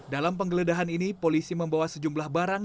dalam penggeledahan ini polisi membawa sejumlah barang